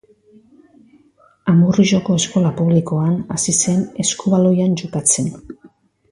Amurrioko eskola publikoan hasi zen eskubaloian jokatzen.